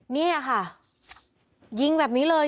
นี่ค่ะยิงแบบนี้เลย